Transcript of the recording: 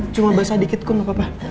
cuma basah dikit pun nggak apa apa